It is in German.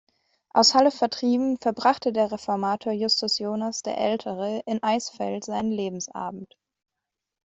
Aus Halle vertrieben, verbrachte der Reformator Justus Jonas der Ältere in Eisfeld seinen Lebensabend.